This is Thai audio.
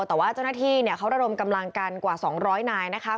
แต่ว่าเจ้าหน้าที่เนี่ยเขาระลมกำลังกันกว่าสองร้อยนายนะคะ